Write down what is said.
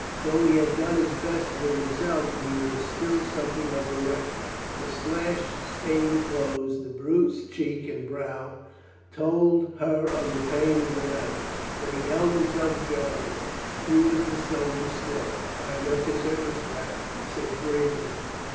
Though he had done his best with him self, he was still something of a wreck. The slashed, stained clothes, the bruised cheek and brow, told her of the pain of the night. But he held himself gal lantly. He was the soldier still. "I am at your service, madame," he said gravely.